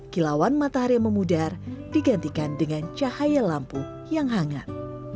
kilauan matahari yang memudar digantikan dengan cahaya lampu yang hangat